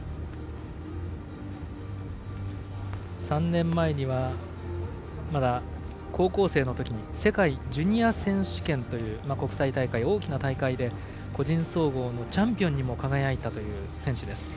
３年前にはまだ高校生のときに世界ジュニア選手権という国際大会大きな大会で個人総合のチャンピオンにも輝いたという選手です。